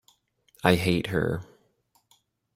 I hate her.